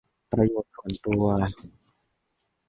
ประโยชน์ส่วนตัว